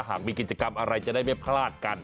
หากมีกิจกรรมอะไรจะได้ไม่พลาดกัน